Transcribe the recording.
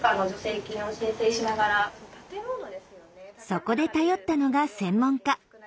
そこで頼ったのが専門家。